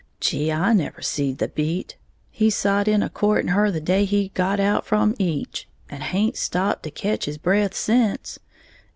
Gee, I never see the beat! He sot in a courting her the day he got out from eech, and haint stopped to ketch his breath sence.